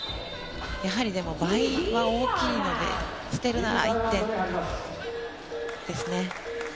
やはり、でも倍は大きいので捨てるなら１点ですね。